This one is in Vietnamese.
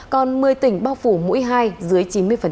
còn một mươi tỉnh bao phủ mũi hai dưới chín mươi